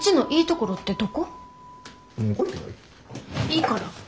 いいから。